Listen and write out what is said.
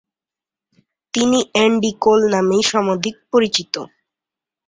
তিনি Andy Cole নামেই সমধিক পরিচিত।